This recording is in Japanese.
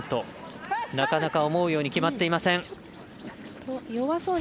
なかなか思うように決まっていません。